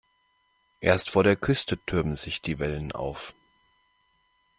Erst vor der Küste türmen sich die Wellen auf.